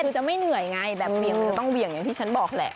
จะไม่เหนื่อยไงแบบเวียงต้องเวียงอย่างที่ฉันบอกแหละ